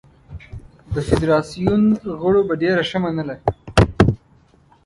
د فدراسیون غړو به ډېره ښه منله.